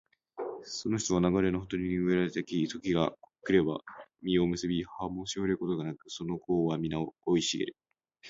その人は流れのほとりに植えられた木、時が来れば実を結び、葉もしおれることがなく、その業はみな生い茂る